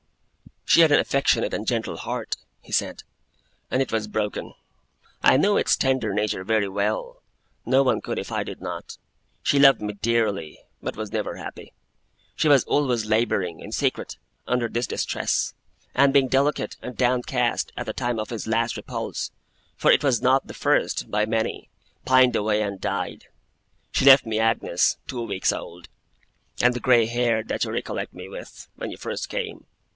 'She had an affectionate and gentle heart,' he said; 'and it was broken. I knew its tender nature very well. No one could, if I did not. She loved me dearly, but was never happy. She was always labouring, in secret, under this distress; and being delicate and downcast at the time of his last repulse for it was not the first, by many pined away and died. She left me Agnes, two weeks old; and the grey hair that you recollect me with, when you first came.